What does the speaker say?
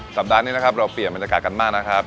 สัปดาห์นี้นะครับเราเปลี่ยนบรรยากาศกันมากนะครับ